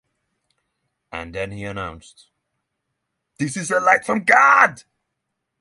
Then he announced: This is a light from God.